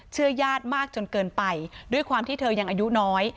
ญาติมากจนเกินไปด้วยความที่เธอยังอายุน้อย